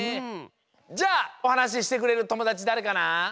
じゃあおはなししてくれるともだちだれかな？